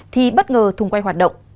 thì bất ngờ thùng quay hoạt động